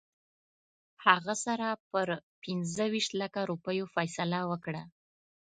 هغه سره پر پنځه ویشت لکه روپیو فیصله وکړه.